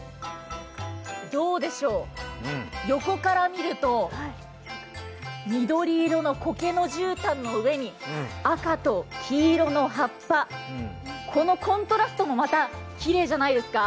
どうでしょう、横から見ると緑色のこけのじゅうたんの上に赤と黄色の葉っぱ、このコントラストも、またきれいじゃないですか？